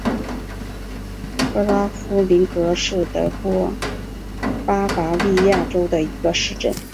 格拉夫林格是德国巴伐利亚州的一个市镇。